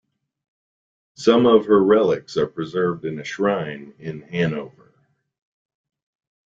Some of her relics are preserved in a shrine in Hanover.